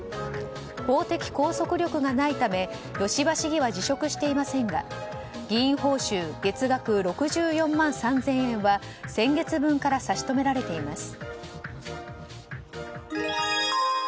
法的拘束力がないため吉羽市議は辞職していませんが議員報酬月額６４万３０００円は先月分から差し止められています。